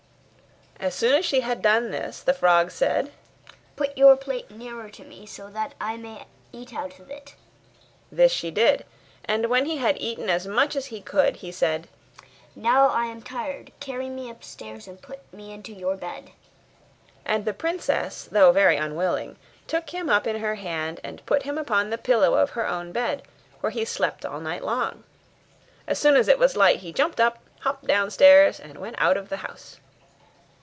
As soon as she had done this, the frog said, 'Put your plate nearer to me, that I may eat out of it.' This she did, and when he had eaten as much as he could, he said, 'Now I am tired; carry me upstairs, and put me into your bed.' And the princess, though very unwilling, took him up in her hand, and put him upon the pillow of her own bed, where he slept all night long. As soon as it was light he jumped up, hopped downstairs, and went out of the house.